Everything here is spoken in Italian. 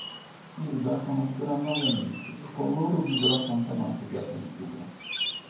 Hilda conoscerà nuovi amici e con loro vivrà tante magiche avventure.